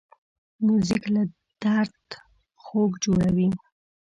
موزیک له درد خوږ جوړوي.